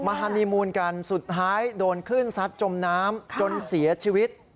ฮานีมูลกันสุดท้ายโดนคลื่นซัดจมน้ำจนเสียชีวิต